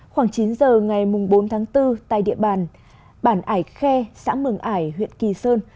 khoảng chín giờ ngày bốn tháng bốn tại địa bàn bản ải khe xã mường ải huyện kỳ sơn